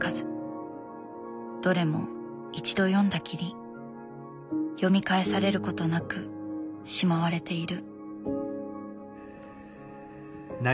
どれも一度読んだきり読み返されることなくしまわれている。